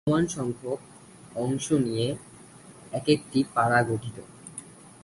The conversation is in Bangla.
সমান সংখ্যক অংশ নিয়ে একেকটি পারা গঠিত।